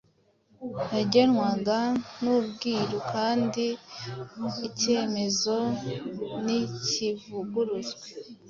yagenwaga n’ubwiru kandi icyemezo ntikivuguruzwe